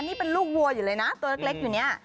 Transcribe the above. นี่เป็นลูกวัวอยู่เลยนะตัวเล็กอยู่เนี่ย